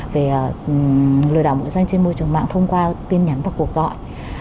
về lừa đảo mượn danh trên môi trường mạng thông qua tin nhắn và cuộc gọi